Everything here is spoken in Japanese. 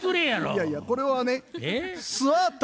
いやいやこれはね素頭。